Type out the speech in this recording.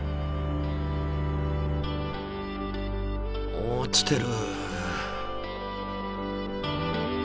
落ちてる。